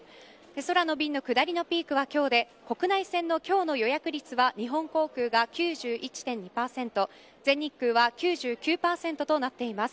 空の便の下りのピークは今日で国内線の今日の予約率は日本航空が９１．２％全日空は９９％となっています。